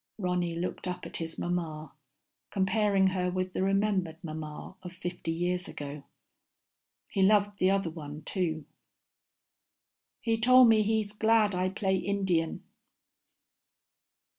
Ronny looked up at his mamma, comparing her with the remembered mamma of fifty years ago. He loved the other one, too. "He tol' me he's glad I play Indian."